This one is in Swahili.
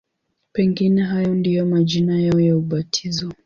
Pengine hayo ndiyo majina yao ya ubatizo.